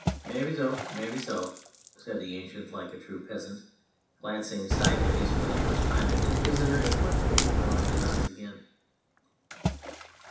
" Mubbe zo, mubbe no," said the Ancient, like a true peasant, glancing sideways for the first time at his visitor and quickly withdrawing his eyes again.